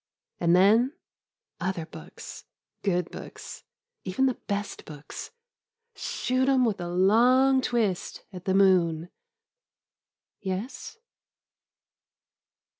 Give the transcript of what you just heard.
And then — other books, good books, even the best books — shoot 'em with a long twist at the moon — ^yes?